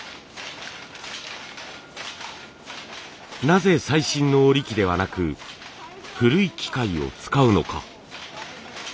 なぜ最新の織り機ではなく古い機械を使うのか。